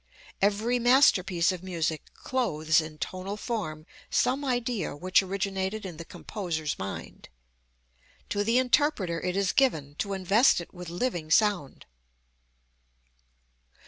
Every masterpiece of music clothes in tonal form some idea which originated in the composer's mind. To the interpreter it is given to invest it with living sound.